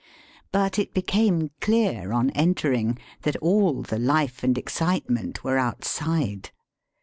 But it became clear on enter ing that all the life and excitement were outside.